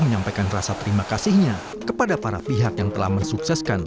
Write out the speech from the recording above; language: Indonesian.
menyampaikan rasa terima kasihnya kepada para pihak yang telah mensukseskan